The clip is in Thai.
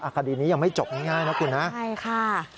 คดีนี้ยังไม่จบง่ายนะคุณนะใช่ค่ะ